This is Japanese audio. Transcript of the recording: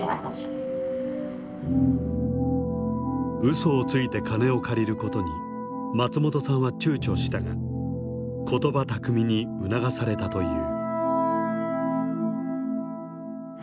嘘をついて金を借りることに松本さんはちゅうちょしたが言葉巧みに促されたという。